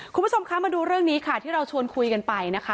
คุณผู้ชมคะมาดูเรื่องนี้ค่ะที่เราชวนคุยกันไปนะคะ